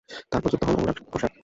তার পর যুক্ত হন অনুরাগ কশ্যপ।